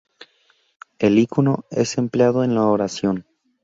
El icono es empleado en la oración.